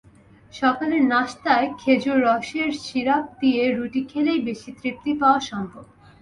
সকালের নাশতায় খেজুর রসের সিরাপ দিয়ে রুটি খেলেই বেশি তৃপ্তি পাওয়া সম্ভব।